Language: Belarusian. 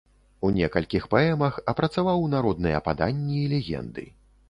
У некалькіх паэмах апрацаваў народныя паданні і легенды.